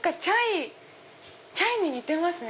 チャイに似てますね